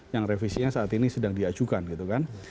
yang revisi nya saat ini sedang diajukan gitu kan